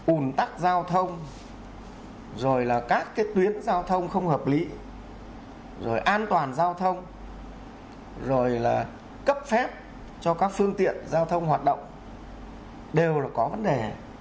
ủn tắc giao thông rồi là các cái tuyến giao thông không hợp lý rồi an toàn giao thông rồi là cấp phép cho các phương tiện giao thông hoạt động đều là có vấn đề